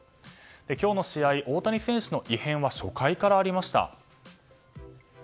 今日の試合、大谷選手の異変は初回からありました。